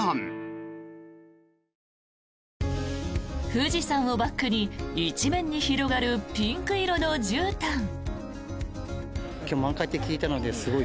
富士山をバックに一面に広がるピンク色のじゅうたん。